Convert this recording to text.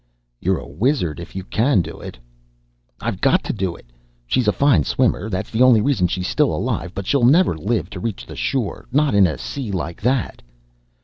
"You're a wizard if you can do it!" "I've got to do it! She's a fine swimmer that's the only reason she's still alive but she'll never live to reach the shore. Not in a sea like that!"